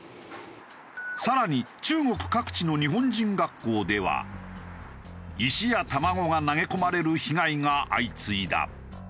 更に中国各地の日本人学校では石や卵が投げ込まれる被害が相次いだ。